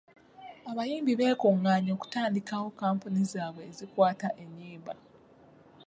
Abayimbi beekungaanya okutandikawo kkampuni zaabwe ezikwata ennyimba.